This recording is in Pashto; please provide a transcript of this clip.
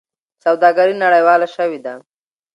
سوداګري نړیواله شوې ده.